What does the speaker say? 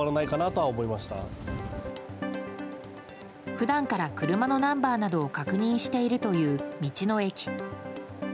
普段から車のナンバーなどを確認しているという道の駅。